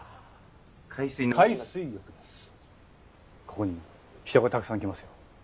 ここに人がたくさん来ますよ。